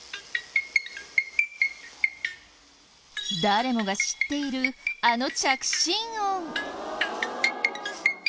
誰もが知っているあの着信音。